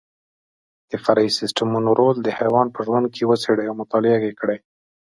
د فرعي سیسټمونو رول د حیوان په ژوند کې وڅېړئ او مطالعه یې کړئ.